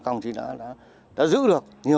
công chí đã giữ được uy tín và sự tin tưởng của nhân dân